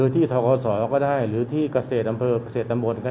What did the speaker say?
มีประเด็นอีกอย่างมั้ยครับ